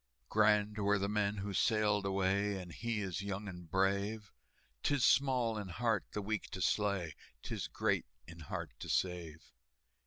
"Grand were the men who sailed away, And he is young and brave; 'Tis small in heart the weak to slay, 'Tis great in heart to save."